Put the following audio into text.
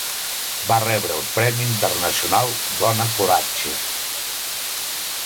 Va rebre el Premi Internacional Dona Coratge.